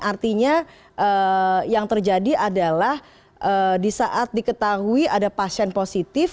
artinya yang terjadi adalah di saat diketahui ada pasien positif